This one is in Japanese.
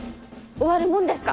終わるもんですか！